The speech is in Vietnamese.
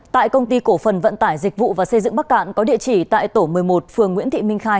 tại công ty cổ phần vận tải dịch vụ và xây dựng bắc cạn có địa chỉ tại tổ một mươi một phường nguyễn thị minh khai